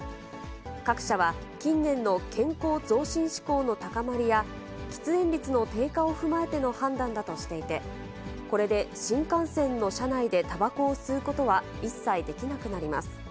各社は近年の健康増進志向の高まりや、喫煙率の低下を踏まえての判断だとしていて、これで新幹線の車内でたばこを吸うことは一切できなくなります。